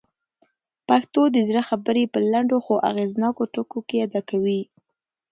پښتو د زړه خبرې په لنډو خو اغېزناکو ټکو کي ادا کوي.